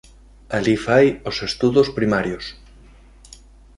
Alí fai os estudos primarios.